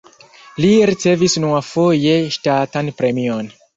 Li ricevis unuafoje ŝtatan premion.